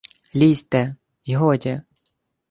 — Лізьте, й годі!